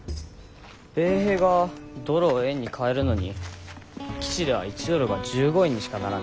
米兵がドルを円に換えるのに基地では１ドルが１５円にしかならない。